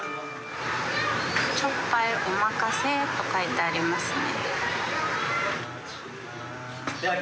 「チョッパルおまかせ」と書いてありますね。